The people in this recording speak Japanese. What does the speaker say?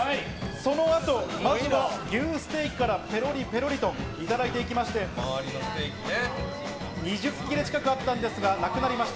そのあと、まずは牛ステーキからぺろりぺろりと頂いていただきまして、２０切れ近くあったんですが、なくなりました。